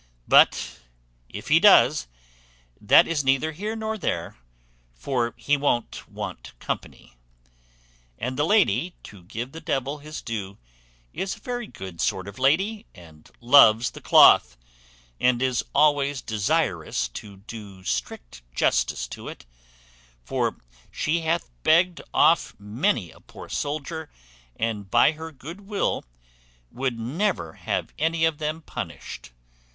But if he does, that is neither here nor there; for he won't want company. And the lady, to give the devil his due, is a very good sort of lady, and loves the cloth, and is always desirous to do strict justice to it; for she hath begged off many a poor soldier, and, by her good will, would never have any of them punished.